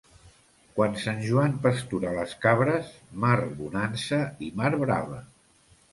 Quan Sant Joan pastura les cabres, mar bonança i mar brava.